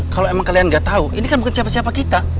kalau emang kalian gak tahu ini kan bukan siapa siapa kita